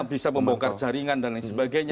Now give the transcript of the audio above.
bisa membongkar jaringan dan lain sebagainya